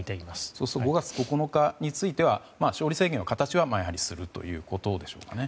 そうすると５月９日については勝利宣言という形は、やはりするということでしょうかね。